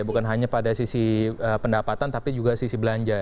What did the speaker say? bukan hanya pada sisi pendapatan tapi juga sisi belanja